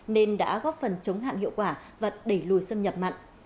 nên đã góp phần chống hạn hiệu quả và đẩy lùi xâm nhập mặn